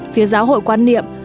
phía giáo hội quan niệm